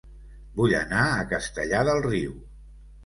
Vull anar a Castellar del Riu